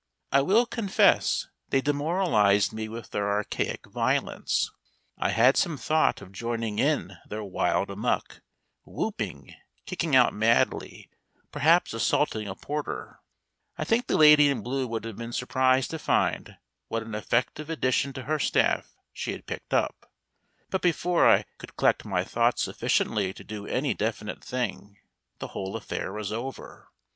I will confess they demoralised me with their archaic violence. I had some thought of joining in their wild amuck, whooping, kicking out madly, perhaps assaulting a porter, I think the lady in blue would have been surprised to find what an effective addition to her staff she had picked up, but before I could collect my thoughts sufficiently to do any definite thing the whole affair was over.